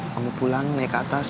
kamu pulang naik ke atas